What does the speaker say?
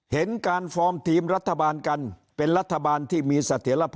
เห็นการฟอร์มทีมรัฐบาลกันเป็นรัฐบาลที่มีเสถียรภาพ